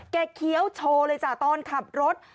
เคี้ยวโชว์เลยจ้ะตอนขับรถ